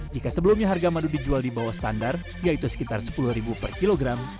jika sebelumnya harga madu dijual di bawah standar yaitu sekitar rp sepuluh per kilogram